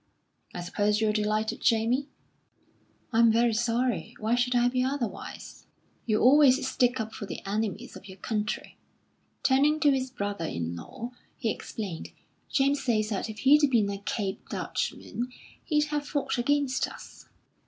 "I suppose you're delighted, Jamie?" "I'm very sorry. Why should I be otherwise?" "You always stick up for the enemies of your country." Turning to his brother in law, he explained: "James says that if he'd been a Cape Dutchman he'd have fought against us."